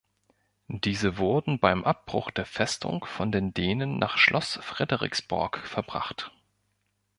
Diese wurden beim Abbruch der Festung von den Dänen nach Schloss Frederiksborg verbracht.